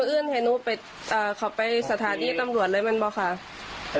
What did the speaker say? มึงให้นูไปขอไปสถาดีตำรวจเลยเป็นไหมครับ